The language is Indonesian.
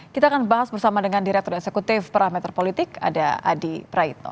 kita akan bahas bersama dengan direktur eksekutif parameter politik ada adi praitno